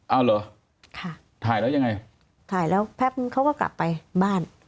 เอาเหรอค่ะถ่ายแล้วยังไงถ่ายแล้วแป๊บนึงเขาก็กลับไปบ้าน